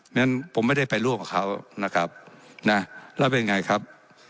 งั้นผมไม่ได้ไปร่วมกับเขานะครับนะแล้วเป็นไงครับ